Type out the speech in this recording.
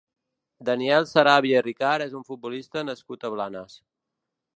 Daniel Sarabia i Ricart és un futbolista nascut a Blanes.